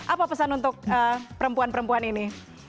apa pesan untuk perempuan perempuan ini